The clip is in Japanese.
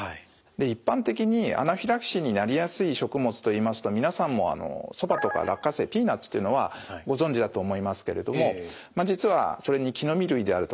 一般的にアナフィラキシーになりやすい食物といいますと皆さんもそばとか落花生ピーナツというのはご存じだと思いますけれども実はそれに木の実類であるとかですね